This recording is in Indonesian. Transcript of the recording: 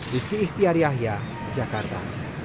rizky ihtiariah jakarta